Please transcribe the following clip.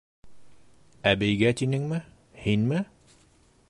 - Әбейгә тинеңме? һинме?